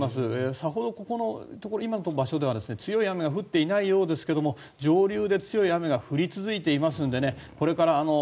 さほどここのところ今の場所では強い雨は降っていないようですが上流で強い雨が降り続いていますのでこれから